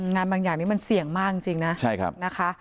งานบางอย่างนี้มันเสี่ยงมากจริงนะนะคะ